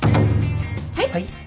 はい？